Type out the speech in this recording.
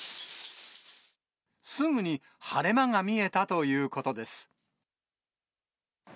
すぐに晴れ間が見えたということです。